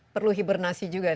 perlu hibernasi juga nih